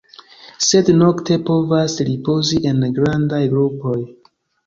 Sed nokte povas ripozi en grandaj grupoj.